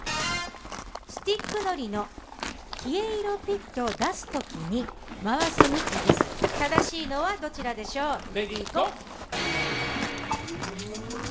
スティックのりの消えいろＰＩＴを出すときに回す向きです、正しいのはどちらでしょう？